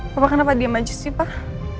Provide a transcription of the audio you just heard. papa kenapa diam aja sih pak